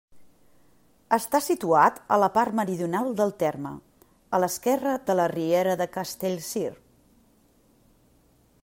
Està situat a la part meridional del terme, a l'esquerra de la riera de Castellcir.